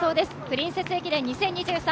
プリンセス駅伝２０２３。